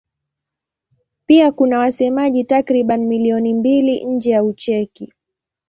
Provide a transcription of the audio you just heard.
Pia kuna wasemaji takriban milioni mbili nje ya Ucheki.